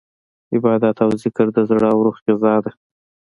عبادت او ذکر د زړه او روح غذا ده.